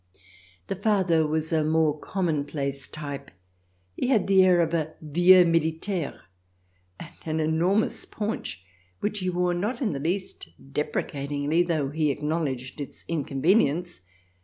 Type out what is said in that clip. The father was of a more commonplace type ; he had the air of a vietix militaire, and an enormous paunch, which he wore not in the least deprecatingly, though he acknowledged its inconvenience.